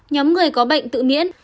nhóm người có bệnh tự miễn